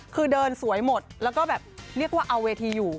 คือเดินสวยหมดแล้วก็แบบเรียกว่าเอาเวทีอยู่